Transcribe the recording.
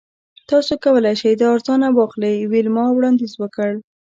تاسو کولی شئ دا ارزانه واخلئ ویلما وړاندیز وکړ